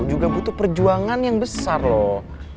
juga butuh perjuangan yang besar loh